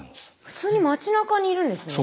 普通に街なかにいるんですね。